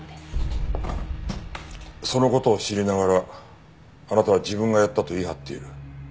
その事を知りながらあなたは自分がやったと言い張っている。